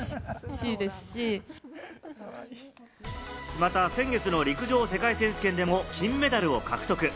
また先月の陸上世界選手権でも金メダルを獲得。